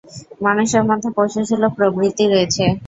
মানুষের মধ্যে পশুসুলভ প্রবৃত্তি রয়েছে।